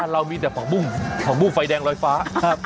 เรามีแต่ผักบุ้งผักบุ้งไฟแดงลอยฟ้า